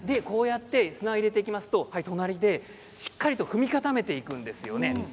砂を入れていきまして隣でしっかりと踏み固めていきます。